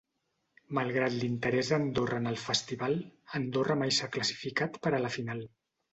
Malgrat l'interès d'Andorra en el festival, Andorra mai s'ha classificat per a la final.